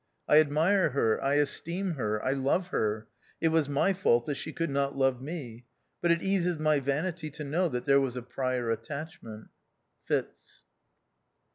I admire her, I esteem her, I love her ; it was my fault that she could not love me ; but it eases my vanity to know that there was a prior attachment. Fitz."